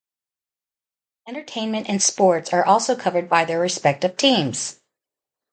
Entertainment and Sports are also covered by their respective teams.